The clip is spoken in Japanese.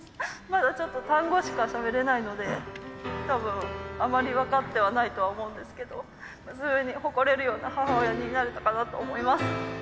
まだちょっと単語しかしゃべれないので多分あまり分かってはないとは思うんですけど娘に誇れるような母親になれたかなと思います。